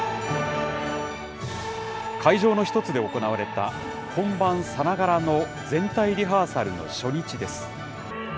会場の一つで行われた本番さながらの全体リハーサルの初日です。